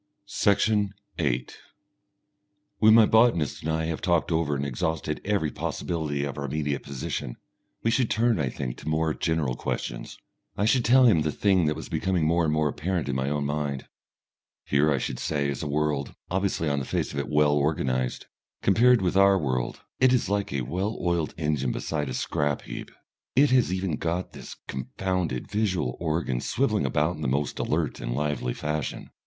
Section 8 When my botanist and I have talked over and exhausted every possibility of our immediate position, we should turn, I think, to more general questions. I should tell him the thing that was becoming more and more apparent in my own mind. Here, I should say, is a world, obviously on the face of it well organised. Compared with our world, it is like a well oiled engine beside a scrap heap. It has even got this confounded visual organ swivelling about in the most alert and lively fashion.